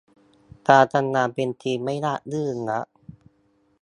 การทำงานเป็นทีมไม่ราบรื่นนัก